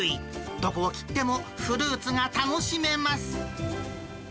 どこを切っても、フルーツが楽しめます。